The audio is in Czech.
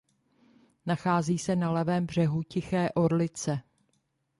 Nachází se na levém břehu Tiché Orlice.